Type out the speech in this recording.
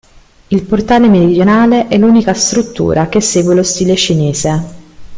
Il portale meridionale è l'unica struttura che segue lo stile cinese.